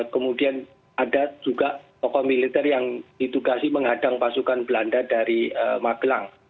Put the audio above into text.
kemudian ada juga tokoh militer yang ditugasi menghadang pasukan belanda dari magelang